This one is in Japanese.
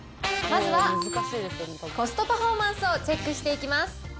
まずはコストパフォーマンスをチェックしていきます。